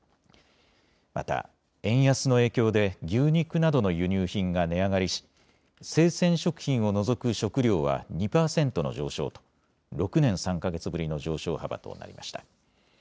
また円安の影響で牛肉などの輸入品が値上がりし生鮮食品を除く食料は２％の上昇と６年３か月ぶりの上昇幅となりました。